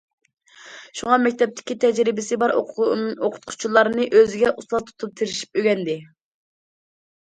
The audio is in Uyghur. شۇڭا مەكتەپتىكى تەجرىبىسى بار ئوقۇتقۇچىلارنى ئۆزىگە ئۇستاز تۇتۇپ تىرىشىپ ئۆگەندى.